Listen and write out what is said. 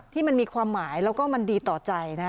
ที่มันมีความหมายแล้วก็มันดีต่อใจนะ